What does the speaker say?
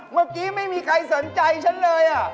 เมื่อกี้ไม่มีใครสนใจฉันเลย